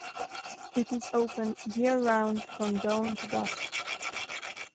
It is open year-round from dawn to dusk.